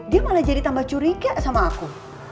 dia malah jadi tambah curiga sama aku